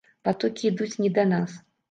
Патокі ідуць не да нас.